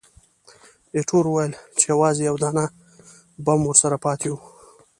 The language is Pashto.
ایټور وویل چې، یوازې یو دانه بم ورسره پاتې وو.